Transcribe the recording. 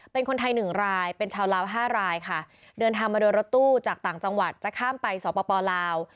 เป็นคนไทยหนึ่งรายเป็นชาวลาวห้ารายค่ะเดินทางมาโดยรถตู้จากต่างจังหวัดจะข้ามไปสปลาว